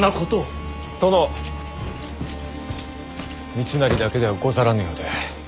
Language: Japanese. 三成だけではござらぬようで。